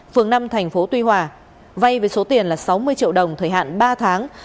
phường năm thành phố tuy hòa vay với số tiền là sáu mươi triệu đồng thời hạn ba tháng